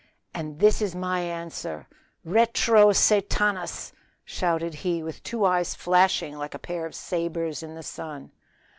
"And this is my answer RETRO SATANAS!" shouted he, with two eyes flashing like a pair of sabers in the sun.